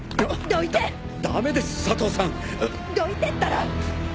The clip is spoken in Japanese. どいてったら！